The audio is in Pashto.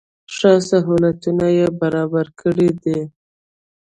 ښه سهولتونه یې برابر کړي دي.